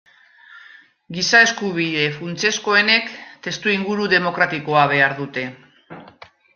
Giza-eskubide funtsezkoenek testuinguru demokratikoa behar dute.